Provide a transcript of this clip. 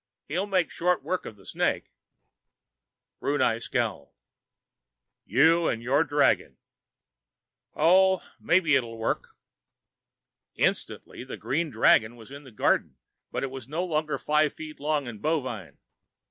He'll make short work of the snake." Brunei scowled. "You and your dragon.... Oh, maybe it'll work." Instantly, the green dragon was in the garden. But it was no longer five feet long and bovine.